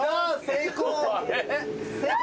成功。